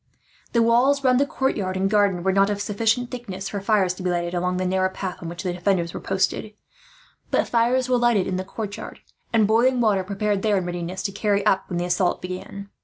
The walls round the courtyard and garden were not of sufficient thickness for fires to be lighted, along the narrow path on which the defenders were posted; but fires were lighted in the courtyard, and boiling water prepared there, in readiness to carry up when the assault began.